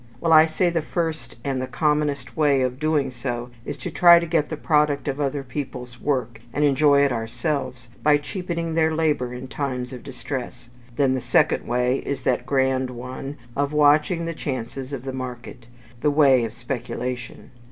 Well, I say the first and commonest way of doing so is to try to get the product of other people's work, and enjoy it ourselves, by cheapening their labour in times of distress: then the second way is that grand one of watching the chances of the market; the way of speculation.